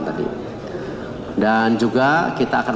dan juga kita akan